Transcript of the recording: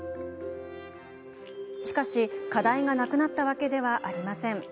しかし、課題がなくなったわけではありません。